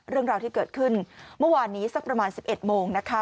เรื่องราวที่เกิดขึ้นเมื่อวานนี้สักประมาณ๑๑โมงนะคะ